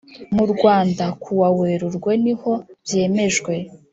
mu Rwanda kuwa Werurwe niho byemejwe